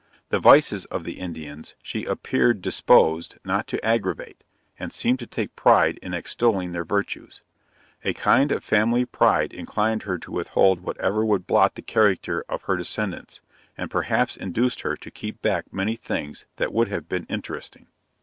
The vices of the Indians, she appeared disposed not to aggravate, and seemed to take pride in extoling their virtues. A kind of family pride inclined her to withhold whatever would blot the character of her descendants, and perhaps induced her to keep back many things that would have been interesting.